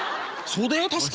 そうだよ確か。